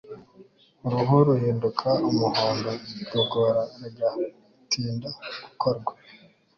Uruhu ruhinduka umuhondo igogora rigatinda gukorwa